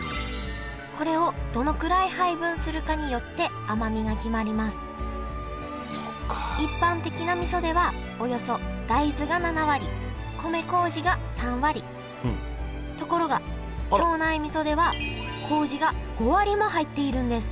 これをどのくらい配分するかによって甘みが決まりますところが庄内みそではこうじが５割も入っているんです